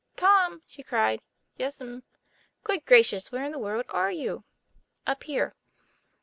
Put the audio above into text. "Tom!" she cried. "Yes'm." "Good gracious! where in the world are you?" "Up here."